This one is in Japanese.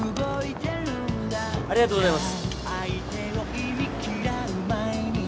ありがとうございます。